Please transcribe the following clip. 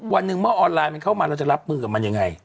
วันหนึ่งเมื่อออนไลน์มันเข้ามาเราจะรับมือกับมันยังไง